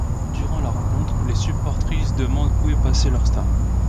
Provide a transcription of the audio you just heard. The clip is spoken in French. Durant la rencontre, les supportrices demandent où est passée leur star.